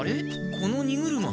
この荷車。